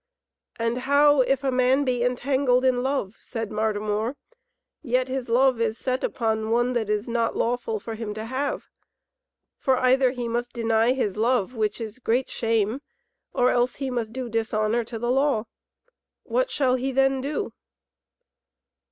"And how if a man be entangled in love," said Martimor, "Yet his love be set upon one that is not lawful for him to have? For either he must deny his love, which is great shame, or else he must do dishonour to the law. What shall he then do?"